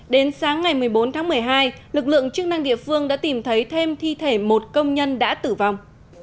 đến sáng ngày một mươi bốn tháng một mươi hai lực lượng chức năng địa phương đã tìm thấy thêm thi thể một công nhân đã tử vong